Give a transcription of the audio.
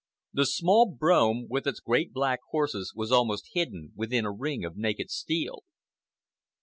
The small brougham with its great black horses was almost hidden within a ring of naked steel.